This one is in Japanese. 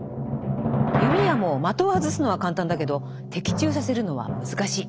弓矢も的を外すのは簡単だけど的中させるのは難しい。